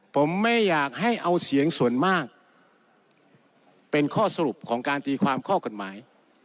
ผมไม่อยากให้เอาเสียงส่วนมากเป็นข้อสรุปของการตีความข้อกฎหมาย